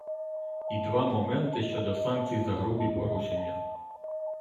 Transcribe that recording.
І два моменти щодо санкцій за грубі порушення.